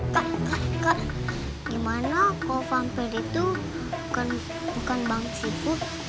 kak gimana kalau vampir itu bukan bang saipul